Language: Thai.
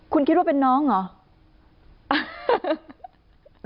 คุณคิดว่าเป็นน้องเหรอ